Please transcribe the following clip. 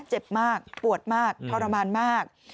เจ็บมากปวดมากทรมานมาก